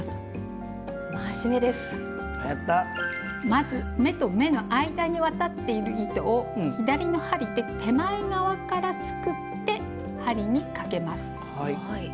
まず目と目の間に渡っている糸を左の針で手前側からすくって針にかけます。